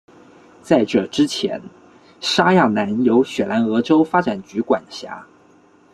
在这之前沙亚南由雪兰莪州发展局管辖。